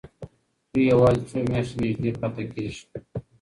دوی یوازې څو میاشتې نږدې پاتې کېږي.